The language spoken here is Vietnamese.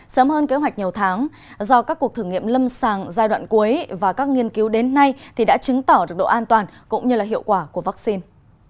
sớm hơn kế hoạch nhiều tháng do các cuộc thử nghiệm lâm sàng giai đoạn cuối và các nghiên cứu đến nay thì đã chứng tỏ được độ an toàn cũng như hiệu quả của vaccine